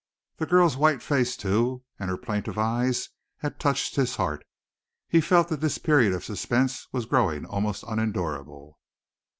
The girl's white face, too, and her plaintive eyes, had touched his heart. He felt that this period of suspense was growing almost unendurable!